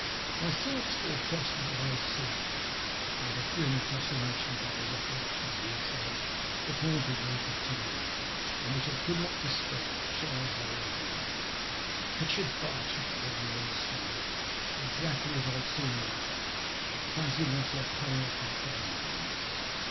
My thoughts were oppressed with what I had seen. There was a grim fascination about the recollection of the incident that haunted me continually, and which I could not dispel, try how I would. I pictured Bartrand lying in the snow exactly as I had seen the other, and fancied myself coming up and finding him.